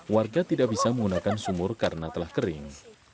warga tidak bisa menggunakan sumur karena telah kering